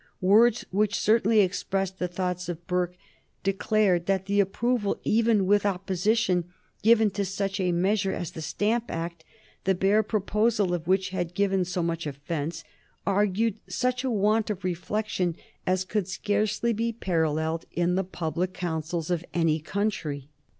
Words which certainly expressed the thoughts of Burke declared that the approval, even with opposition, given to such a measure as the Stamp Act, the bare proposal of which had given so much offence, argued such a want of reflection as could scarcely be paralleled in the public councils of any country.